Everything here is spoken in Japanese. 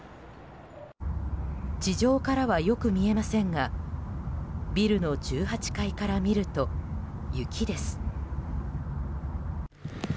地上からはよく見えませんがビルの１８階から見ると雪です。